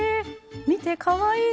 見てかわいい！